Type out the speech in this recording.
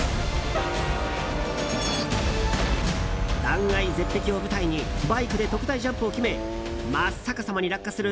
断崖絶壁を舞台にバイクで特大ジャンプを決め真っ逆さまに落下する